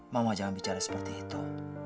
mama jangan bicara seperti itu